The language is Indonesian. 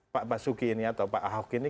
pak basuki ini atau pak ahok ini